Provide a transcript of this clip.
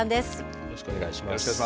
よろしくお願いします。